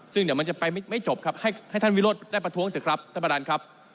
ซึ่งเดี๋ยวมันจะไปไม่จบครับให้ท่านวิโรธได้ประท้วงเถอะครับท่านประธานครับ